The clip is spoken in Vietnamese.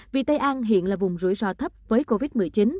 vì tây an hiện là vùng rủi ro thấp với covid một mươi chín